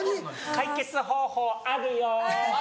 解決方法あるよ。